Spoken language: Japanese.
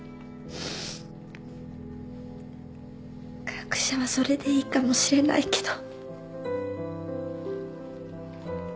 学者はそれでいいかもしれないけど。